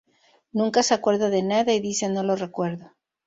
Nunca se acuerda de nada y dice "No lo recuerdo".